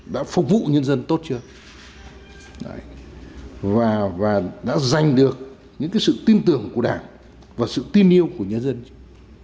đã phục vụ nhân dân tốt chưa và đã giành được những sự tin tưởng của đảng và sự tin yêu của nhân dân chưa